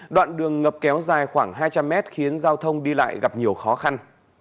đoạn đường ngập kéo dài khoảng hai trăm linh mét khiến giao thông đi lại gặp nhiều khó khăn